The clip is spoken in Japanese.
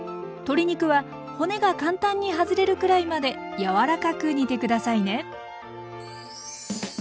鶏肉は骨が簡単に外れるくらいまで柔らかく煮て下さいね。